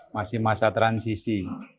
masih masa transisi